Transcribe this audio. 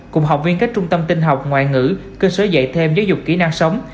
cùng học viên các trung tâm tinh học ngoại ngữ cơ sở dạy thêm giáo dục kỹ năng sống